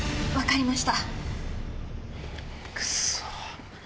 分かりました。